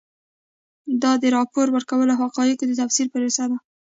دا د راپور ورکولو او حقایقو د تفسیر پروسه ده.